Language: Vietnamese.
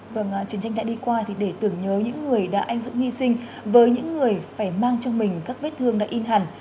vâng chiến tranh đã đi qua thì để tưởng nhớ những người đã anh dũng hy sinh với những người phải mang trong mình các vết thương đã in hẳn